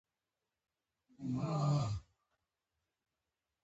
ولایتونه د افغانستان یو ډول طبعي ثروت دی.